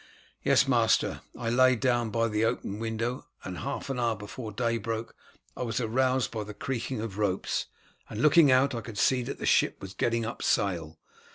"Yes, master; I lay down by the open window, and an hour before day broke I was aroused by the creaking of ropes, and looking out could see that the ship was getting up sail.